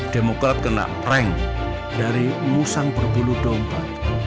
demokrat kena prank dari musang berbulu domba